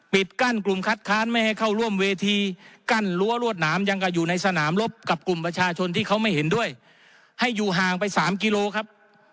กั้นกลุ่มคัดค้านไม่ให้เข้าร่วมเวทีกั้นรั้วรวดหนามยังกับอยู่ในสนามรบกับกลุ่มประชาชนที่เขาไม่เห็นด้วยให้อยู่ห่างไปสามกิโลครับ